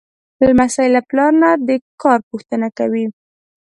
لمسی له پلار نه د کار پوښتنه کوي.